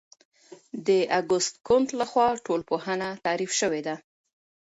د اګوست کُنت لخوا ټولنپوهنه تعریف شوې ده.